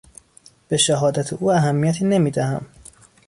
به شهادت او اهمیتی نمیدهم.